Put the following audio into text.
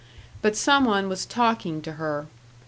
But some one was talking to her.